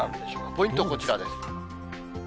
ポイント、こちらです。